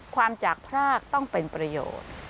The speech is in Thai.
ความจากพรากต้องเป็นประโยชน์